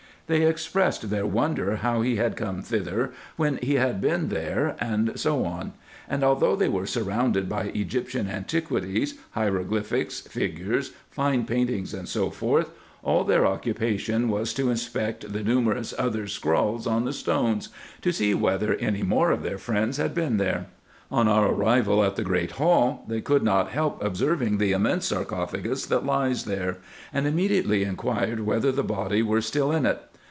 They expressed their wonder how he had come thither, when he had been there, and so on ; and although they were surrounded by Egyptian antiquities, hieroglyphics, figures, fine paintings, &c. all their occupation was to inspect the numerous other scrawls on the stones, to see whether any more of their friends had been there. On our arrival at the great hall, they could not help observing the immense sarcophagus c c 194 RESEARCHES AND OPERATIONS that lies there, and immediately inquired whether the body were still in it.